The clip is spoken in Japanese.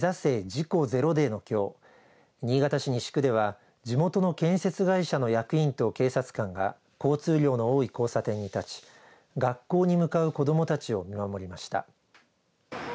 事故０デーのきょう新潟市西区では地元の建設会社の役員と警察官が交通量の多い交差点に立ち学校に向かう子どもたちを見守りました。